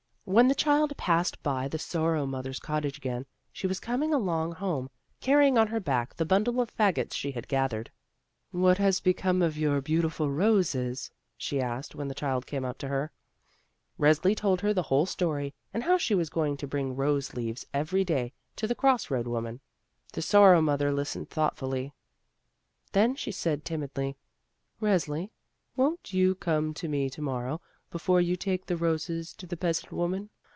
When the child passed by the Sorrow mother's cottage again, she was coming along home, car rying on her back the bimdle of fagots she had gathered. "What has become of your beautiful roses?" she asked, when the child came up to her. Resli told her the whole story, and how she was going to bring rose leaves every day to the cross road woman. The Sorrow mother listened thoughtfully; then she said timidly: "Resli, won't you come to me to morrow, be fore you take the roses to the peasant woman?